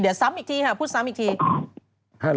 เดี๋ยวพูดซ้ำอีกทีฮัลโหล